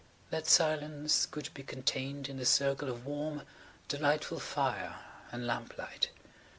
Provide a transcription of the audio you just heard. That silence could be contained in the circle of warm, delightful fire and lamplight.